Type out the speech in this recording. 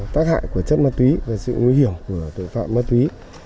tác hại của chất ma tuy và sự nguy hiểm của tội phạm ma tuy